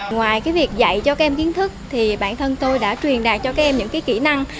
ngoài việc dạy cho các em kiến thức thì bản thân tôi đã truyền đạt cho các em những kỹ năng